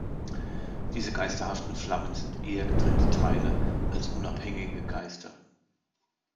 Diese geisterhaften Flammen sind eher getrennte Teile als unabhängige Geister.